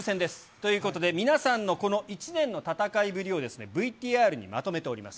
ということで、皆さんのこの１年の戦いぶりをＶＴＲにまとめております。